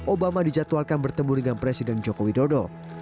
obama dijadwalkan bertemu dengan presiden joko widodo